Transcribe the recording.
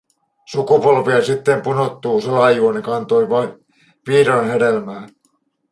Sukupolvia sitten punottu salajuoni kantoi vihdoin hedelmää.